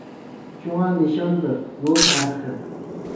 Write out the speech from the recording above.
شۇڭا نىشان بىر، يول ھەر خىل!